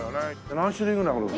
何種類ぐらいあるの？